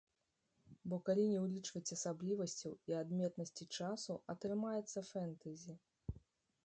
Бо калі не ўлічваць асаблівасцяў і адметнасці часу, атрымаецца фэнтэзі.